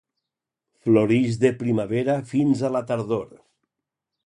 Florix de primavera fins a la tardor.